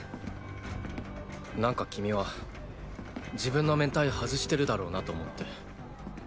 何か君は自分の面体外してるだろうなと思って。